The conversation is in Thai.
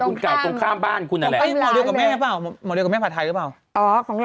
หลานของบ้านตรงข้ามบ้านกิน